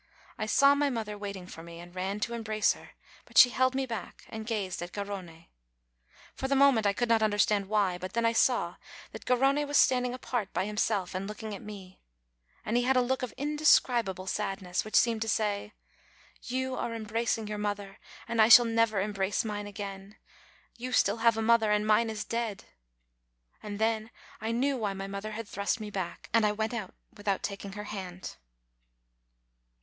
I saw my mother waiting for me, and ran to embrace her ; but she held me back, and gazed at Garrone. For the moment I could not understand why; but then I saw that Garrone was standing apart by himself and looking at me ; and he had a look of indescribable sad ness, which seemed to say : "You are embracing your mother, and I shall never embrace mine again! You still have a mother, and mine is dead!" And then I knew why my mother had thrust me back, and I went out without taking her hand.